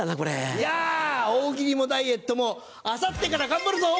いや「大喜利」もダイエットも明後日から頑張るぞ！